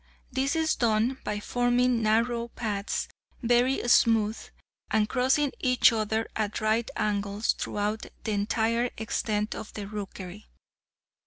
This is done by forming narrow paths, very smooth, and crossing each other at right angles throughout the entire extent of the rookery.